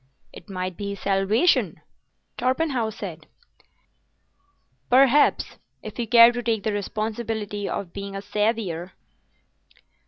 "It might be his salvation," Torpenhow said. "Perhaps—if you care to take the responsibility of being a saviour."